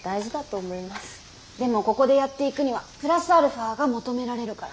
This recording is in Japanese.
でもここでやっていくにはプラスアルファが求められるから。